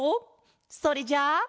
それじゃあ。